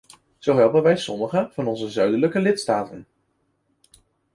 Zo helpen wij sommige van onze zuidelijke lidstaten.